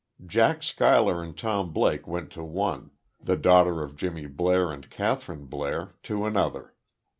Jack Schuyler and Tom Blake went to one; the daughter of Jimmy Blair and Kathryn Blair to another.